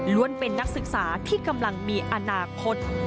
เป็นนักศึกษาที่กำลังมีอนาคต